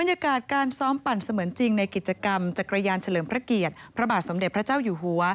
บรรยากาศการซ้อมปั่นเสมือนจริงในกิจกรรมจักรยานเฉลิมพระเกียรติพระบาทสมเด็จพระเจ้าอยู่หัว